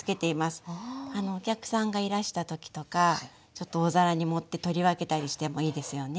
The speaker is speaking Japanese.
お客さんがいらした時とかちょっと大皿に盛って取り分けたりしてもいいですよね。